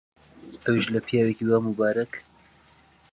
ئەویش لە پیاوێکی وا ممبارەک؟!